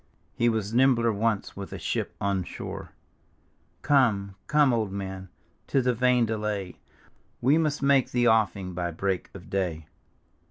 " He was nimbler once with a ship on shore ; Come, come, old man, 'tis a vain delay, We must make the ofEng by break of day."